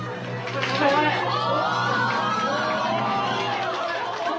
お！